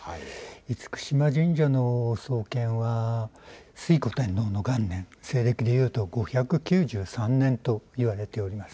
厳島神社の創建は推古天皇の元年、西暦で言うと５９３年といわれております。